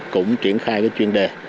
cũng triển khai cái chuyên đề